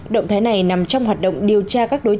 động thái này nằm trong hoạt động điều tra các đối tượng